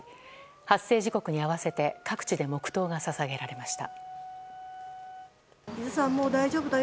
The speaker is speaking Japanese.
発生時刻に合わせて各地で黙祷が捧げられました。